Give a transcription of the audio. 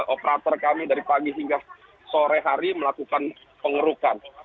operator kami dari pagi hingga sore hari melakukan pengerukan